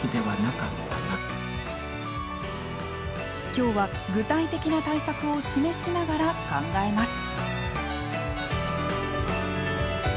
今日は、具体的な対策を示しながら考えます。